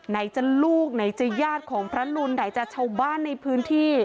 ไหนจะลูกไหนจะญาติของพระรุนไหนจะชาวบ้านในพื้นที่